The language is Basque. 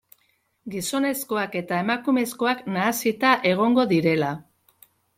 Gizonezkoak eta emakumezkoak nahasita egongo direla.